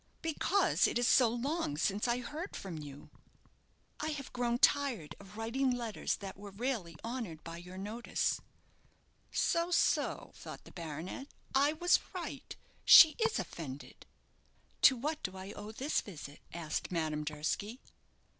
"Because it is so long since I heard from you." "I have grown tired of writing letters that were rarely honoured by your notice." "So, so," thought the baronet; "I was right. She is offended." "To what do I owe this visit?" asked Madame Durski.